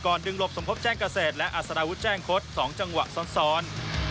ก่อนดึงลบสมพบแจ้งเกษตรและอัสดาวุทย์แจ้งคท๒จังหวะซ้อน